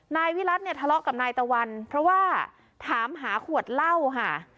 นายวิรัติเนี่ยทะเลาะกับนายตะวันเพราะว่าถามหาขวดเหล้าค่ะ